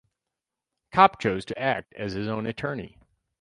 Kopp chose to act as his own attorney.